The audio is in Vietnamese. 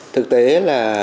thực tế là